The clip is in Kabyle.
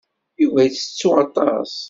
Yuba yettettu aṭas.